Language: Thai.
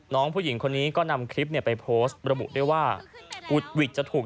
น้องผู้หญิงคนนี้ก็นำคลิปเนี่ยไปโพสต์ระบุด้วยว่าอุดหวิดจะถูก